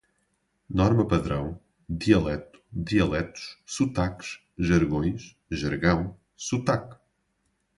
norma-padrão, dialeto, dialetos, sotaques, jargões, jargão, sotaque